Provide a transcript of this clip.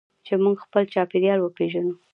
چې موږ خپل چاپیریال وپیژنو.